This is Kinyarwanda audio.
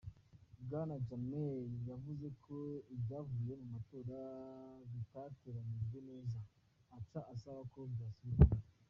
Bwana Jammey yavuze ko ivyavuye mu matora bitateranijwe neza, aca asaba ko bayasubiramwo.